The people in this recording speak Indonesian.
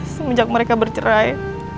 semenjak mereka bercerai